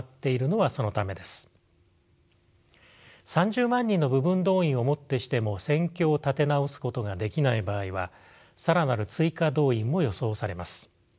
３０万人の部分動員をもってしても戦況を立て直すことができない場合は更なる追加動員も予想されます。